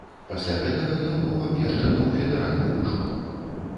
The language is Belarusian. Пасля гэтага ён быў абвешчаны ў федэральны вышук.